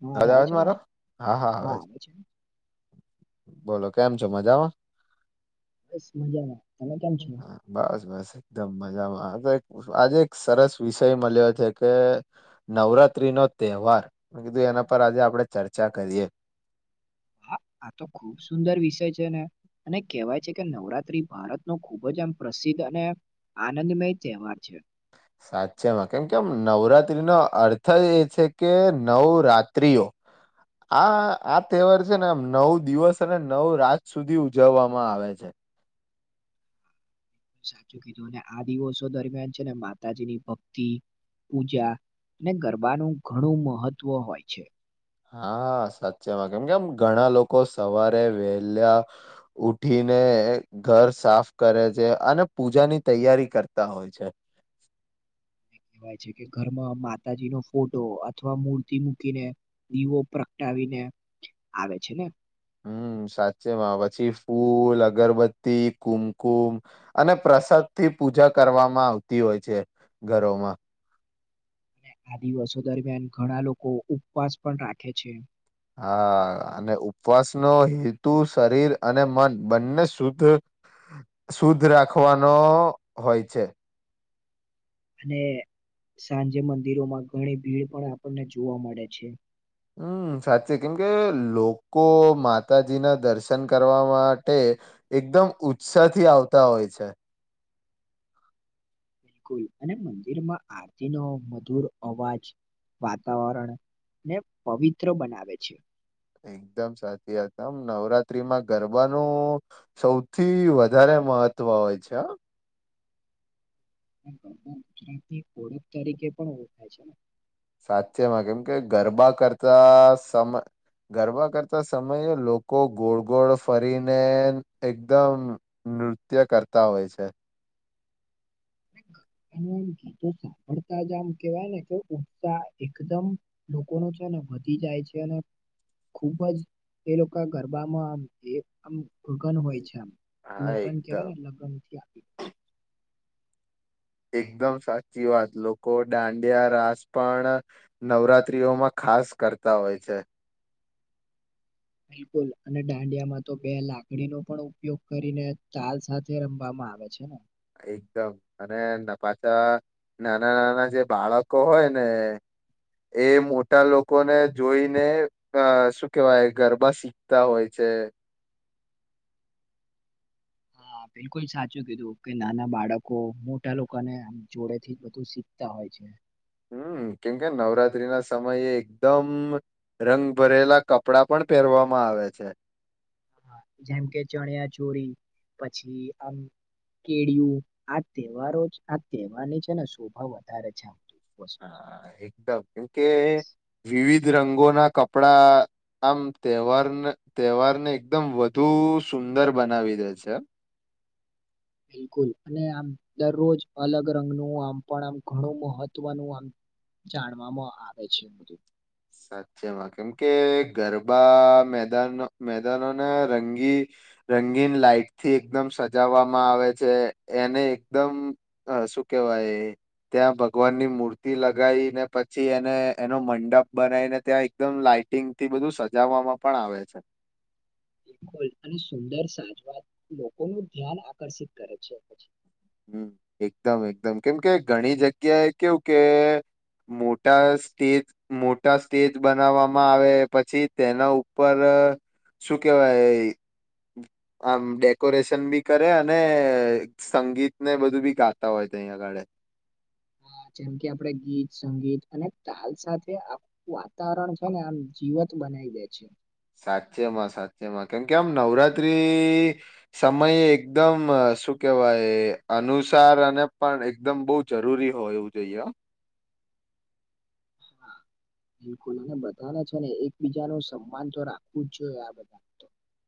હા આજ આવે આવેજ છે મારો હા હા આવેજ આવે છે બોલો. કેમ છો મજામાં બસ મજામાં તમે કેમ છો બસ બસ એકદમ મજા. આજે એક સરસ વિષય મળ્યો છે, કે નવરાત્રી નો તહેવાર મે કીધું એના પર આજે આપણે ચર્ચા કરીએ. હા આ તો ખુબ સુંદર વિષય છે ને અને કેહેવાય છે કે નવરાત્રી ભારત ન ખૂબ જ આમ પ્રસિદ્ધ અને આનંદમય તહેવાર છે. સાચેમાં કેમ કેમ નવરાત્રીનો અર્થ એ છે કે નવરાત્ર્રીઓ આ આ તહેવાર છે ને આમ નવ દિવસ અને નવ રાત સુધી ઉજવવામાં આવે છે. સાચું કીધું અને આ દિવસો દરમિયાન છે ને માતાજીની ભક્તિ પૂજા અને ગરબાનું ઘણું મહત્વ હોય છે. હા સાચેમાં કેમ કેમ ઘણા લોકો સવારે વહેલા ઉઠીને ઘર સાફ કરે છે અને પૂજાની તૈયારી કરતા હોય છે. [inaudible] કહેવાય છે કે ઘરમાં માતાજી નો ફોટો અથવા મૂર્તિ મૂકીને દીવો પ્રગટાવીને આવે છે ને. હમ સાચેમાં પછી ફૂલ અગરબત્તી કુમકુમ અને પ્રસાદ થી પૂજા કરવામાં આવતી હોય છે ઘરોમાં. આ દિવસો દરમિયાન ઘણા લોકો ઉપવાસ પણ રાખે છે. હા અને ઉપવાસનોો હેતુ શરીર અને મન બંને શુદ્ધ શુદ્ધ રાખવાનો હોય છે. અને સાંજે મંદિરોમાં ઘણી ભીડ પણ આપણને જોવા મળે છે. હમ સાચી કેમ કે લોકો માતાજી ના દર્શન કરવા માટે. એકદમ ઉત્સાહ થી આવતા હોય છે. બિલકુલ અને મંદિર માં આરતી નો મધુર અવાજ વાતાવરણને પવિત્ર બનાવે છે એકદમ સાચી વાતમ નવરાત્રીમાં ગરબાનું સૌથી વધારે મહત્વ હોય છે. ગુજરાતીની ઓળખ તરીકે પણ ઓળખાય છે ને. સાચેમાં કેમ કે ગરબા કરતા સમય ગરબા કરતા સમયે લોકો ગોળ ગોળ ફરીને એકદમ નૃત્ય કરતા હોય છે. [inaudible] એ એમ ગીતોું સાંભળતા જ આમ કેવાય ને કે ઉત્સાહ એકદમ લોકો નો છે ને વધી જાય છે અને ખુબ જ એ લોકો ગરબામાં આમ એ આમ. ગગન હોય છે આમ હા લગ્ન એકદમ કેવાય ને લગ્ન થી આપ એકદમ સાચી વાત લોકો દાંડિયા રાસ પણ નવરાત્રીઓમાં ખાસ કરતા હોય છે. બિલકુલ અને દાંડિયામાં તો બે લાકડીનો પણ ઉપયોગ કરીને તાલ સાથે રમવામાં આવે છે ને એકદમ અને પાછા નાના નાના જે બાળકો હોય ને એ મોટા લોકોને જોઈને અ શું કેવાય ગરબા શીખતા હોય છે [inaudible] હા [inaudible] બિલકુલ સાચું કીધું કે નાના બાળકો મોટા લોકોને જોડે થી બધું શીખતા હોય છે. હમ કેમ કે નવરાત્રી ના સમયે એકદમ રંગ ભરેલા કપડાં પણ પહેરવામાં આવે છે. જેમ કે ચણ્યા ચોરી પછી આમ કેળિયું આ તહેવારો આ તહેવારની છે ને શોભા વધારે જ આવતી હ એકદમ કેમ કે વિવિધ રંગોના કપડા આમ તહેવારને તહેવારને એકદમ વધુ સુંદર બનાવી દે છે. [inaudible] બિલકુલ અને આમ દરરોજ અલગ રંગનું આમ પણ આમ ઘણું મહત્વનું આમ જાણવામાં આવે છે બધું. સાચેમાં કેમ કે ગરબા મેદાનો મેદાનોને રંગી રંગીન લાાઈટથી એકદમ સજાવવામાં આવે છે એને એકદમ હ શુ કેવાય ત્યાં ભગવાન ની મૂર્તિ લગાઇને પછી એને એનો મંડપ બનાઈને ત્યાં એકદમ લાાઈટિંગથી બધું સજાવવામાં પણ આવે છે. બિલકુલ અને સુંદર સાજવા લોકોનું ધ્યાન આકર્ષિત કરે છે પછી હમ એકદમ એકદમ કેમ કે ઘણી જગ્યાએ કેવું કે મોટા સ્ટેજ મોટા સ્ટેજ બનાવવામાં આવે પછી તેના ઉપર અ શું કેવાય? આમ ડેકોરેશન બી કરે અને અ સંગીતને બધું બી ગાતા હોય તહીંયા આગળ [inaudible] હ જેમ કે આપડે ગીત સંગીત અને તાલ સાથે આ વાતાવરણ છે ને આમ જીવ [unintelligible] બનાય દે છે. સાચેમાં સાચેમાં કેમ કે આમ નવરાત્રી સમયે એકદમ શું કે -વાય અનુસાર અને પણ એકદમ બવ જરૂરી હોય એવું જોઈએ હ [inaudible] હા, બિલકુલ અને બધાને છે ને એકબીજાનું સન્માન તો રાખવું જ જોઈએ આ બધા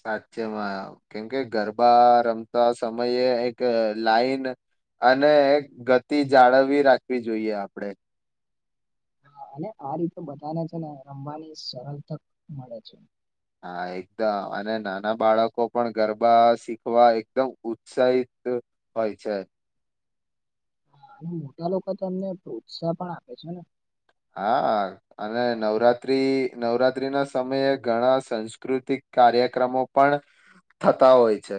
સાચેમાં કેમકે ગરબા રમતા સમયે એક લાઈન અને ગતિ જાળવવી રાખવી જોઈએ આપડે. અને આ રીતે બધાને છે ને રમવાની સરળ તક મળે છે. હા, એકદમ અને નાના બાળકો પણ ગરબા શીખવા એકદમ ઉત્સાહિત હોય છે. અને મોટા લોકો તો એમને પ્રોત્સાહ પણ આપે છે ને હા, અને નવરાત્રી નવરાત્રી ના સમયે ઘણા સંસ્કૃતિક કાર્યક્રમો પણ થતા હોય છે.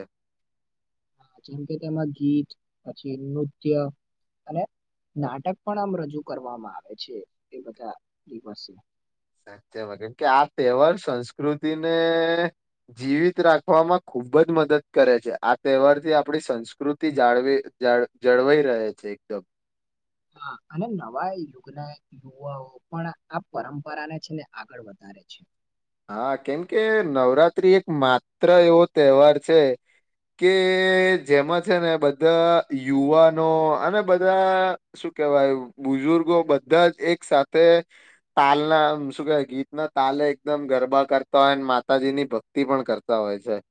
જેમ કે તેમાં ગીત પછી નૃત્ય અને નાટક પણ આમ રજૂ કરવામાં આવે છે એ બધા દિવસે. સાચમાં કેમ કે આ તહેવાર સંસ્કૃતિને જીવિત રાખવામાં ખૂ ખૂબ જ મદદ કરે છે આ તહેવારથી આપણી સંસ્કૃતિ જાળવી જળવાઈ રહે છે એકદમ. [inaudible] હા, અને નવા યુગના યુવાઓ પણ આ પરંપરાને છે ને આગળ વધ ધારે છે. હા, કેમ કે નવરાત્રી એક માત્ર એવો તહેવાર છે કે જેમાં છે ને બધા યુવાનો અને બધા કેવાય બુઝુર્ગો બધા જ એક સાથેથે તાલના શું કેવાય ગીતના તાલે એકદમ ગરબા કરતા હોય માતાજીની ભક્તિ પણ કરતા હોય છે.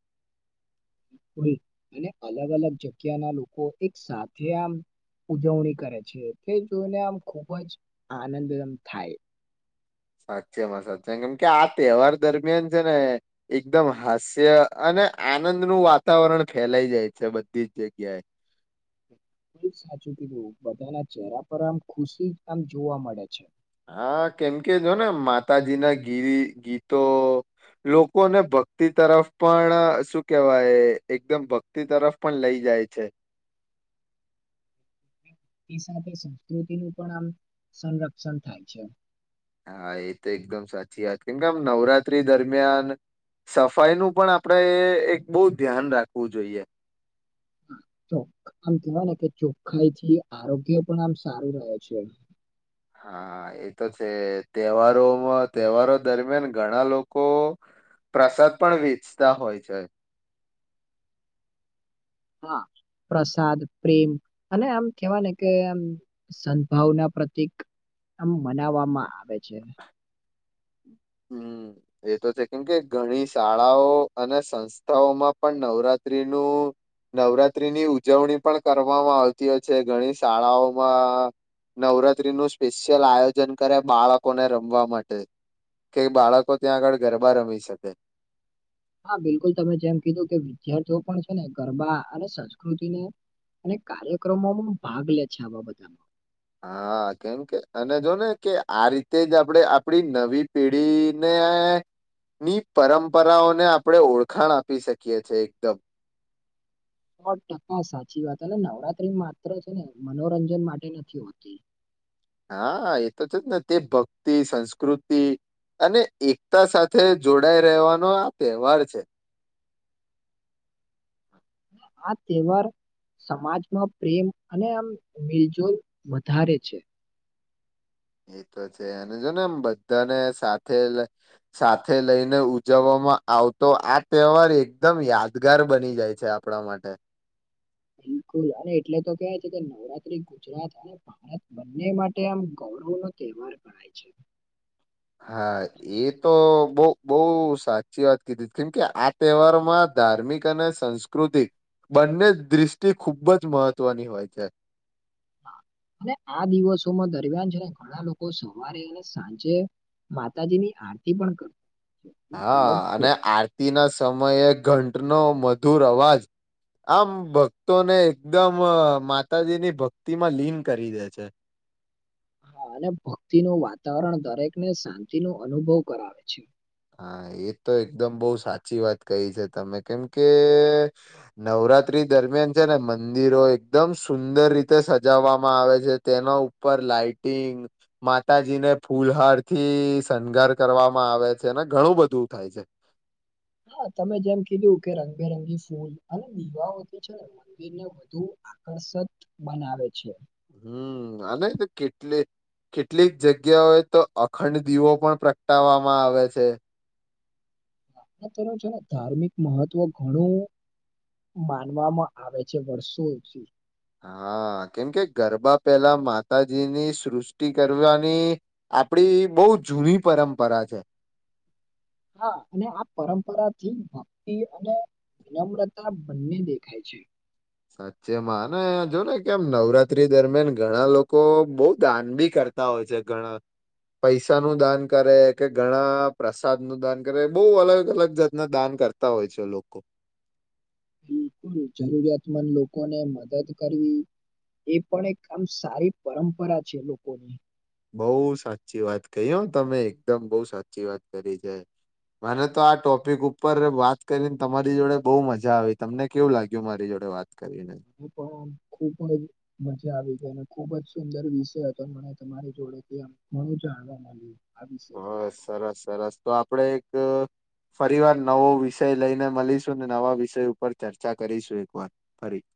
[unintelligible] અને અલગ અલગ જગ્યાના લોકો એક સાથે આમ ઉજવણી કરે છે તે જોઈને આમ ખૂબ જ આનંદમ થાય. સાચેમાં સાચેમ કેમકે આ તહેવાર દરમિયાન છે ને એકદમ હાસ્ય અને ને આનંદનું વાતાવરણ ફેલાઈ જાય છે બધી જ જગ્યાએ. [unintelligible] સાચું કીધું બધાના ચહેરા પર આમ ખુશી આમ જોવા મળે છે. હા, કેમ કે જોને માતાજીના ગી ગીતો લોકોને ભક્તિ તરફ પણ શું કેવાય એકદમ ભક્તિ તરફ પણ લઈ જાય છે. તે સાથે સંસ્કૃતિનું પણ આમ સંરક્ષણ થાય છે. હા, એ તો એકદમ સાચી વાત કેમ કે આમ નવરાત્રી દરમિયાન સફાઈનું પણ આપણેે એ એક બહુ ધ્યાન રાખવું જોઈએ. આમ કેવાય ને કે ચોખ્ખાઈથી આરોગ્ય પણ આમ સારું રહે છે. હા, એતો છે તહેવારોમાં તહેવારો દરમિયાન ઘણા લોકો પ્રસાદ પણ વેચતા હોય છે. હા પ્રસાદ પ્રેમ અને આમ કેવા ને કે આમ સદભાવના પ્રતિક આમ મનાવવામાં આવે છે. હમ્મ એતો છે કેમ કે ઘણી શાળાઓ અને સંસ્થાઓમાં પણ નવરાત્રીનું નવરાત્રીની ઉજવણી પણ કરવામાં આવતી હોય છે ઘણી શાળાઓમાં નવરાત્રી નું સ્પેશિયલ આયોજન કરે બાળકોને રમવા માટે કે બાળકો ત્યાં આગળ ગરબા રમી શકે હા બિલકુલ તમે જેમ કીધું કે વિદ્યાર્થીઓ પણ છે ને ગરબા અને સંસ્કૃતિને અને કાર્યક્રમોમાં ભાગ લે છે આવા બધા હા કેમ કે અને જોને કે આ રીતે જ આપણે આપડી નવી પેઢીને ની પરંપરાઓને આપણે ઓળખાણ આપી શકીએ છે એકદમ સો ટકા સાચી વાત અને નવરાત્રી માત્ર છે ને મનોરંજન માટે નથી હોતી હા એ તો છે જ ને તે ભક્તિ સંસ્કૃતિ અને એકતા સાથે જોડાય રહેવાનો આ તહેવાર છે. હા તહેવાર સમાજમાં પ્રેમ અને આમ મિલજુલ વધારે છે. એ તો છે અને જો ને એમ બધાને સાથે સાથે લઈને ઉજવવા માં આવતો આ તહેવાર એકદમ યાદગાર બની જાય છે આપણા માટે બિલકુલ અને એટલે તો કેવાય છે કે નવરાત્રી ગુજરાત અને ભારત બંને માટે આમ ગ ગૈરવ નો તહેવાર ગણાય છે. હા એ તો બો બો સાચી વાત કીધી કેમકે આ તહેવારોમાં ધાર્મિક અને સંસ્કૃતિક બંને દૃષ્ટિ ખૂબ જ મહત્વની હોય છે. હા. અને આ દિવસોમાં દરમિયાન છે ને ઘણા લોકો સવારે અને સાંજે માતાજીની આરતી પણ ક હા અને આરતી ના સમયે ઘંટનો મધુર અવાજ આમ ભક્તોને એકદમ માતાજીની ભક્તિ માં લીન કરી દે છે હા અને ભક્તિનું વાતાવરણ દરેકને શાંતિ નો અનુભવ કરાવે છે. હા એ તો એકદમ બો સાચી વાત કહી છે તમે કેમ કે નવરા વરાત્રી દરમિયાન છે ને મંદિરો એકદમ સુંદર રીતે સજાવવામાં આવે છે તેના ઉપર લાાઈટિંગ માતાજી ને ફૂલહાર થી શણગાર કરવામાં આવે છે એને ઘણું બધું થાય છે. હા તમે જેમ કીધું કે રંગબેરંગી ફૂલ અને દીવાઓથી છે ને મંદિર ને વધુ આકર્ષત બનાવે છે. હમ અને તો કેટલે કેટલીક જગ્યાઓએ તો અખંડ દીવો પણ પ્રગટાવામાં આવે છે. તેનું છે ને ધાર્મિક મહત્વ ઘણું માનવામાં આવે છે વર્ષોથી. હા કેમ કે ગરબા પહેલા માતાજીની સૃષ્ટિ કરવાની આપડી બોવ જૂની પરંપરા છે. હા અને આ પરંપરા થી ભક્તિ અને વિનમ્રતા બંને દેખાય છે. સાચેમાં અને જો ને કેમ નવરાત્રી દરમિયાન ઘણા લોકો બોવ દાન બી કર તા હોય છે ઘણા પૈસા નું દાન કરે કે ઘણા પ્રસાદ નું દાન કરે બો અલગ અલગ જાતના દાન કરતા હોય છે લોકો. બિલકુલ જરૂરિયાતમંદ લોકોને મદદ કરવી. એ પણ એક આમ સારી પરંપરા છે લોકોની. બઉ સાચી વાત કહી હો તમે એકદમ બઉ સાચી વાત કરી છે. મને તો આ ટોપિક ઉપર વાત કરીને તમારી જોડે બહુ મજા આવી તમને કેવું લાગ્યું મારી જોડે વાત? કરીને [unintelligible] ખુબ જ મજા આવી ગઈ અને ખુબ જ સુંદર વિષય હતો મને તમારી જોડેથી. [unintelligible] બ પર સરસ સરસ તો આપડે એક ફરી વાર નવો વિષય લઈને મળીશું ને નવા વિષય ઉપર ચર્ચા કરીશું એકવાર ફરી. [inaudible]